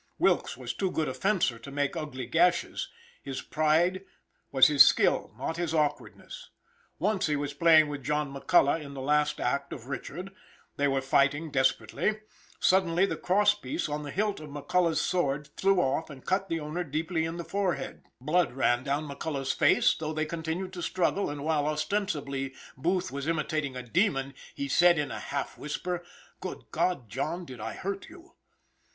Wilkes was too good a fencer to make ugly gashes; his pride was his skill, not his awkwardness. Once he was playing with John McCullough in the last act of "Richard." They were fighting desperately. Suddenly the cross piece on the hilt of McCullough's sword flew off and cut the owner deeply in the forehead. Blood ran down McCullough's face, though they continued to struggle, and while, ostensibly, Booth was imitating a demon, he said in a half whisper: "Good God, John, did I hurt you?"